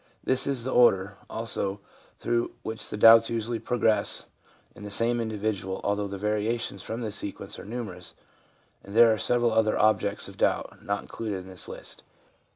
This is the order, also, through which the doubts usually progress in the same individual, although the variations from this sequence are numerous, and there are several other objects of doubt not included in this list.